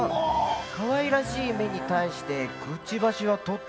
かわいらしい目に対してくちばしはとっても立派だな。